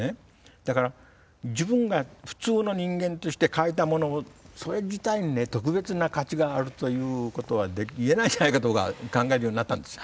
だから自分が普通の人間として書いたものそれ自体にね特別な価値があるということは言えないんじゃないかとか考えるようになったんです。